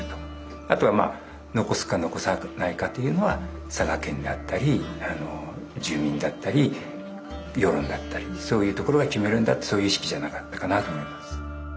あとはまあ残すか残さないかというのは佐賀県であったり住民だったり世論だったりそういうところが決めるんだってそういう意識じゃなかったかなと思います。